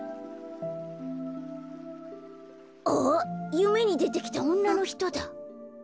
ゆめにでてきたおんなのひとだ。